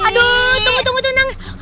aduh tunggu tunggu tunggu